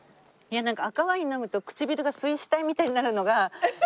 なんか赤ワイン飲むと唇が水死体みたいになるのがイヤで。